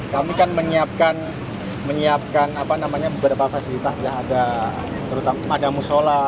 kami kan menyiapkan beberapa fasilitas ya ada terutama ada musola